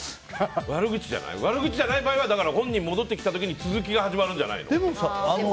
悪口じゃない場合は本人が戻ってきた時に続きが始まるんじゃないの？